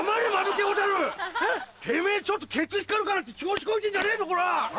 てめぇちょっとケツ光るからって調子こいてんじゃねえぞこら！